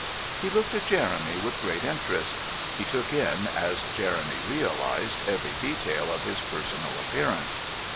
He looked at Jeremy with great interest; he took in, as Jeremy realised, every detail of his personal appearance.